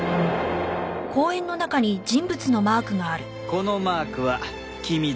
このマークは君だ。